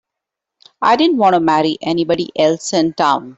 I didn't want to marry anybody else in town.